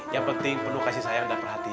yang penting perlu kasih sayang dan perhatian